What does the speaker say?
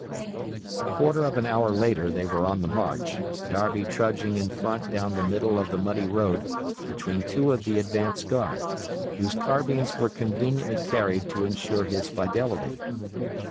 A quarter of an hour later they were on the march, Darby trudging in front down the middle of the muddy road between two of the advance guard, whose carbines were conveniently carried to insure his fidelity.